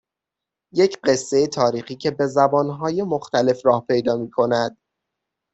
یک قصه تاریخی که به زبانهای مختلف راه پیدا میکند